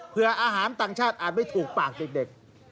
เพื่ออาหารต่างชาติอาจไม่ถูกปากเด็ก